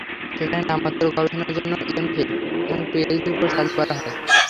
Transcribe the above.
সেখানে নামমাত্র গবেষণার জন্য এমফিল এবং পিএইচডি কোর্স চালু করা হয়েছে।